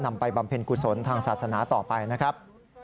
ไปบำเพ็ญกุศลทางศาสนาต่อไปนะครับ